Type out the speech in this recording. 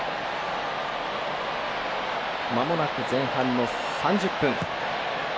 まもなく前半の３０分。